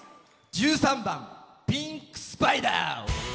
１３番「ピンクスパイダー」。